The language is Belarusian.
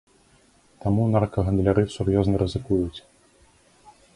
Таму наркагандляры сур'ёзна рызыкуюць.